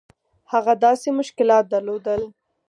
هغه داسې مشکلات درلودل.